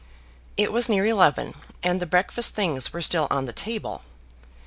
It was near eleven, and the breakfast things were still on the table.